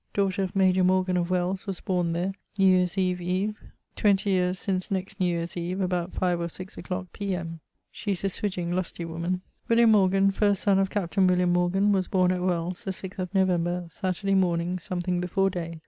daughter of major Morgan of Wells, was borne there, New Yeare's Eve's eve, XX yeares since next New Yeare's Eve, about 5 or 6 a clock P.M. She is a swidging lustie woman. William Morgan, first son of captain William Morgan, was borne at Wells, the 6th of November, Saterday morning, something before day.